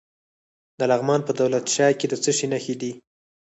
د لغمان په دولت شاه کې د څه شي نښې دي؟